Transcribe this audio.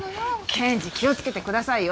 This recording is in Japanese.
検事気をつけてくださいよ。